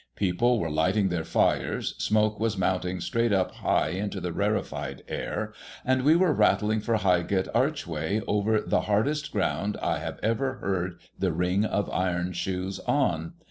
People were lighting their fires ; smoke was mounting straight up high into the rarefied air ; and we were rattling for Highgate Archway over the hardest ground I have ever heard the ring of iron shoes on.